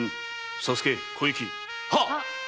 佐助小雪。